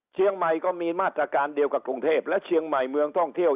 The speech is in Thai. เชียงใหม่ก็มีมาตรการเดียวกับกรุงเทพและเชียงใหม่เมืองท่องเที่ยว